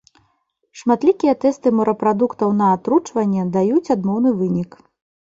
Шматлікія тэсты морапрадуктаў на атручванне даюць адмоўны вынік.